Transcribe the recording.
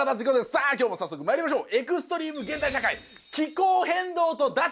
さあ今日も早速まいりましょう！